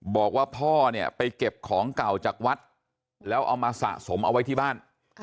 บอกว่าพ่อเนี่ยไปเก็บของเก่าจากวัดแล้วเอามาสะสมเอาไว้ที่บ้าน